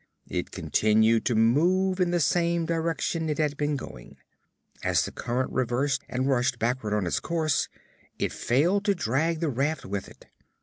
It continued to move in the same direction it had been going. As the current reversed and rushed backward on its course it failed to drag the raft with it.